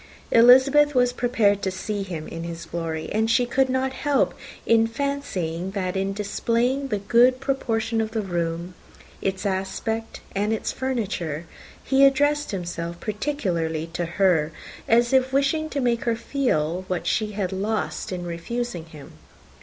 Elizabeth was prepared to see him in his glory; and she could not help fancying that in displaying the good proportion of the room, its aspect, and its furniture, he addressed himself particularly to her, as if wishing to make her feel what she had lost in refusing him.